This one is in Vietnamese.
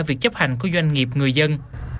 việc chấp hành của doanh nghiệp người dân